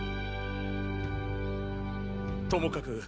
ともかく。